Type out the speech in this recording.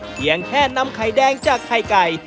เพียงแค่นำไข่แดงจากไข่ไก่